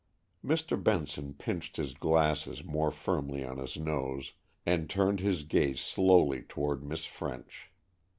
Mr. Benson pinched his glasses more firmly on his nose, and turned his gaze slowly toward Miss French.